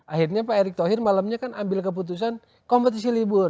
akhirnya pak erick thohir malamnya kan ambil keputusan kompetisi libur